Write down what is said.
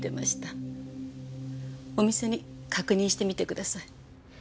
お店に確認してみてください。